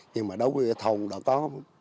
nhưng mà đối với thông đó có